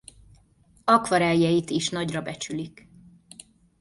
Akvarelljeit is nagyra becsülik.